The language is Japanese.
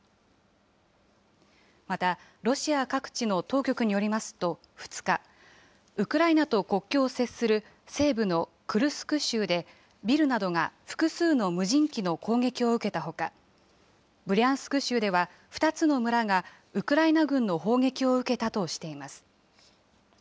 また、ロシア各地の当局によりますと、２日、ウクライナと国境を接する西部のクルスク州で、ビルなどが複数の無人機の攻撃を受けたほか、ブリャンスク州では、２つの村がウクライナ軍の砲撃を受けたとしています。